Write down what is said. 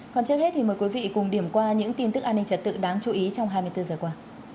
còn trước hết thì mời quý vị cùng điểm qua những tin tức an ninh trật tự đáng chú ý trong hai mươi bốn giờ qua